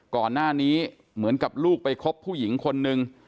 ก่อนหน้านี้เหมือนกับลูกไปคบผู้หญิงคนนึง